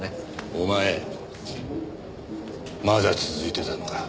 お前まだ続いてたのか。